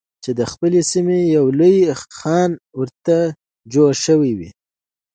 چې د خپلې سیمې یو لوی خان ورڅخه جوړ شوی وي.